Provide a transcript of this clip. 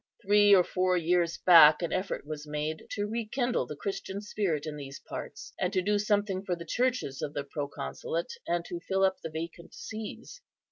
Three or four years back an effort was made to rekindle the Christian spirit in these parts, and to do something for the churches of the proconsulate, and to fill up the vacant sees.